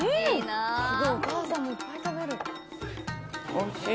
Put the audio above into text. おいしい。